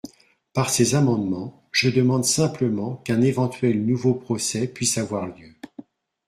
Par ces amendements, je demande simplement qu’un éventuel nouveau procès puisse avoir lieu.